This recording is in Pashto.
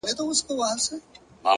د حقیقت درناوی اعتماد زیاتوي,